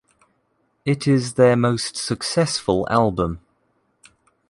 It is their most successful album.